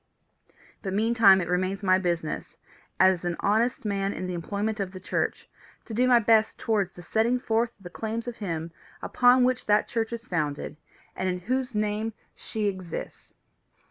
But meantime it remains my business, as an honest man in the employment of the church, to do my best towards the setting forth of the claims of him upon whom that church is founded, and in whose name she exists.